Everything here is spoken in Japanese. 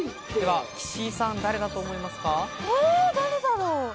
岸井さん、誰だと思いますか？